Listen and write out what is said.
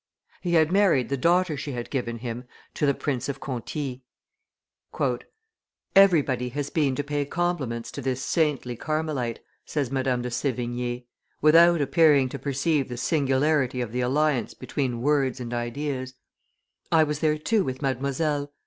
He had married the daughter she had given him to the Prince of Conti. "Everybody has been to pay compliments to this saintly Carmelite," says Madame de Sevigne, without appearing to perceive the singularity of the alliance between words and ideas; "I was there too with Mademoiselle.